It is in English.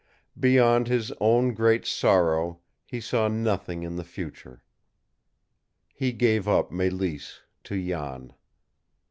Beyond his own great sorrow he saw nothing in the future. He gave up Mélisse to Jan.